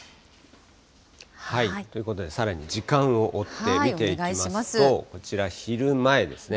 ということで、さらに時間を追って見ていきますと、こちら、昼前ですね。